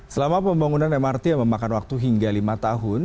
selama pembangunan mrt yang memakan waktu hingga lima tahun